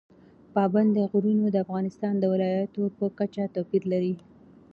پابندي غرونه د افغانستان د ولایاتو په کچه توپیر لري.